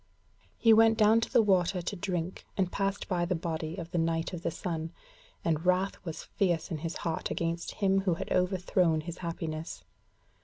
He went down to the water to drink, and passed by the body of the Knight of the Sun, and wrath was fierce in his heart against him who had overthrown his happiness.